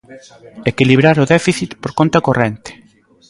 Equilibrar o déficit por conta corrente.